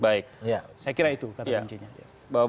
saya kira itu